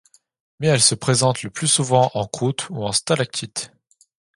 Mais elle se présente le plus souvent en croûte ou en stalactites.